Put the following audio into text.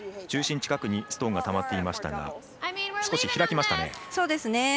中心近くにストーンがたまっていましたが少し開きましたね。